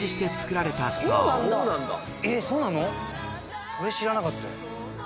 そうなの⁉それ知らなかったよ。